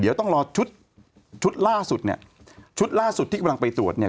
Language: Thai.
เดี๋ยวต้องรอชุดชุดล่าสุดเนี่ยชุดล่าสุดที่กำลังไปตรวจเนี่ย